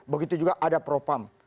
begitu juga ada propam